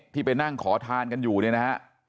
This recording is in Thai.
ที่ไปนั่งขอทานกันอยู่นะฮะ